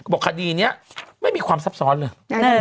บอกคดีนี้ไม่มีความซับซ้อนเลย